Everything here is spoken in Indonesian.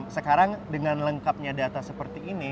sekarang dengan lengkapnya data seperti ini